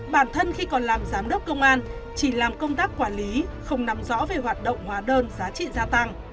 bản thân khi còn làm giám đốc công an chỉ làm công tác quản lý không nắm rõ về hoạt động hóa đơn giá trị gia tăng